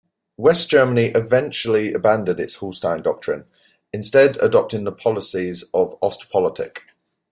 West Germany eventually abandoned its Hallstein Doctrine, instead adopting the policies of Ostpolitik.